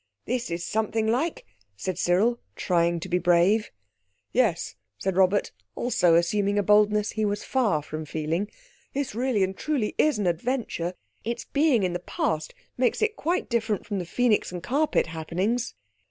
"This is something like!" said Cyril, trying to be brave. "Yes!" said Robert, also assuming a boldness he was far from feeling, "this really and truly is an adventure! Its being in the Past makes it quite different from the Phœnix and Carpet happenings."